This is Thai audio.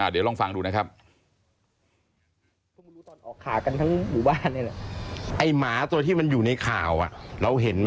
เดี๋ยวลองฟังดูนะครับ